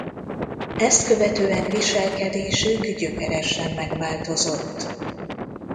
Ezt követően viselkedésük gyökeresen megváltozott.